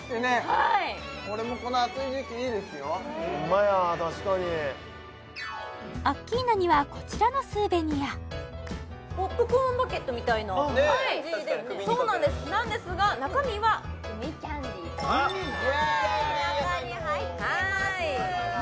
はいこれもこの暑い時期いいですよホンマや確かにアッキーナにはこちらのスーベニアそうなんですなんですが中身はグミキャンディー中に入ってます